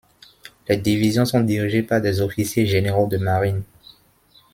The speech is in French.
Les divisions sont dirigées par des officiers généraux de Marine.